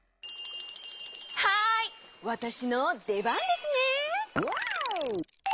はいわたしのでばんですね！